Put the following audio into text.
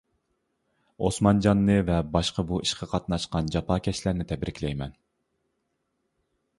ئوسمانجاننى ۋە باشقا بۇ ئىشقا قاتناشقان جاپاكەشلەرنى تەبرىكلەيمەن.